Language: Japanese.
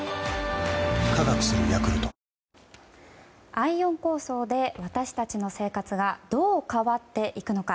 ＩＯＷＮ構想で私たちの生活がどう変わっていくのか。